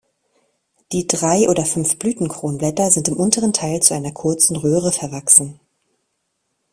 Die drei oder fünf Blütenkronblätter sind im unteren Teil zu einer kurzen Röhre verwachsen.